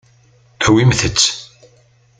Awimt-tt.